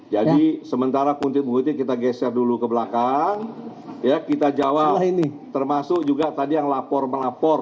jadi sementara kuntit menguntit kita geser dulu ke belakang kita jawab termasuk juga tadi yang lapor melapor